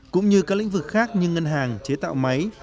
cũng như các lĩnh vực khác như ngân hàng chế tạo máy